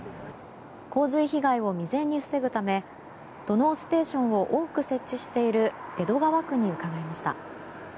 洪水被害を未然に防ぐため土のうステーションを多く設置している江戸川区に伺いました。